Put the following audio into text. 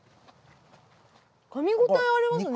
かみ応えありますね。